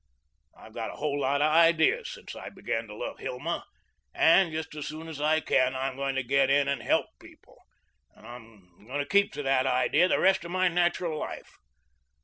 I've got a whole lot of ideas since I began to love Hilma, and just as soon as I can, I'm going to get in and HELP people, and I'm going to keep to that idea the rest of my natural life.